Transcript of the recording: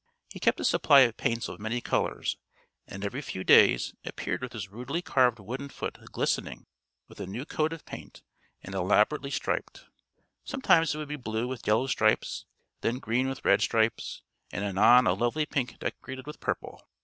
He kept a supply of paints of many colors, and every few days appeared with his rudely carved wooden foot glistening with a new coat of paint and elaborately striped. Sometimes it would be blue with yellow stripes, then green with red stripes, and anon a lovely pink decorated with purple.